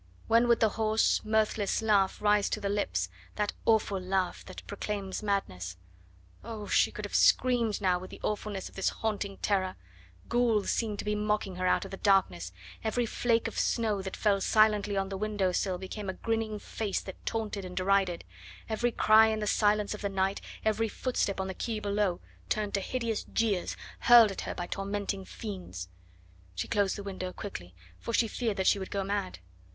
When would the hoarse, mirthless laugh rise to the lips, that awful laugh that proclaims madness? Oh! she could have screamed now with the awfulness of this haunting terror. Ghouls seemed to be mocking her out of the darkness, every flake of snow that fell silently on the window sill became a grinning face that taunted and derided; every cry in the silence of the night, every footstep on the quay below turned to hideous jeers hurled at her by tormenting fiends. She closed the window quickly, for she feared that she would go mad.